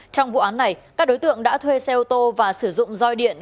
trong vụ án này các đối tượng đã thuê xe ô tô và sử dụng roi điện